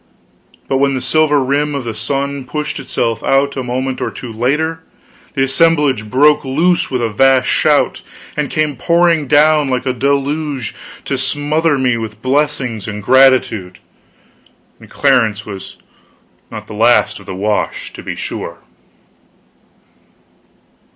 But when the silver rim of the sun pushed itself out, a moment or two later, the assemblage broke loose with a vast shout and came pouring down like a deluge to smother me with blessings and gratitude; and Clarence was not the last of the wash, to be sure.